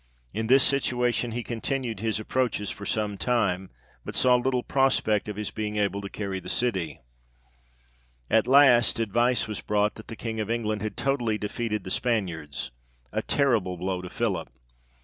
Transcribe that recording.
In this situation, he continued his approaches for some time, but saw little prospect of his being able to carry the city. At last advice was brought, that the King of England had totally defeated the THE KING STORMS THE LINES OF PARIS. 83 Spaniards, a terrible blow to Philip.